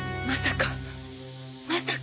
まさか